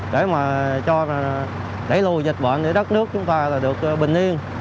để mà cho đẩy lùi dịch bệnh để đất nước chúng ta là được bình yên